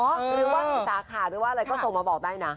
หรือว่ามีสาขาหรือว่าอะไรก็ส่งมาบอกได้นะ